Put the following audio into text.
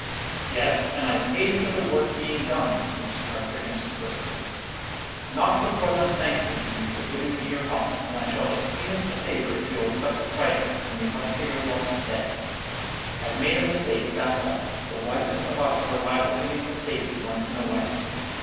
"Yes; and I've paid for the work being done,' Mr. Carter answered briskly; 'not but what I'm thankful to you for giving me your help, and I shall esteem it a favour if you'll accept a trifle, to make up for your lost day. I've made a mistake, that's all; the wisest of us are liable to be mistaken once in a way.'